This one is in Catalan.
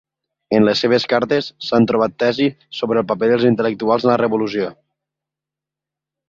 En les seves cartes s'han trobat tesi sobre el paper dels intel·lectuals en la revolució.